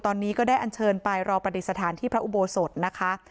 ตอนนี้ก็ได้อันเชิญไปรอประดิษฐานที่พระอุโบสถนะคะ